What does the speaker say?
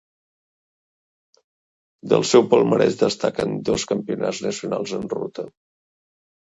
Del seu palmarès destaquen dos Campionats nacionals en ruta.